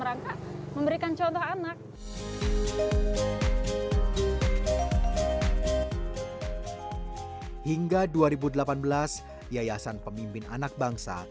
berangkat memberikan contoh anak hingga dua ribu delapan belas yayasan pemimpin anak bangsa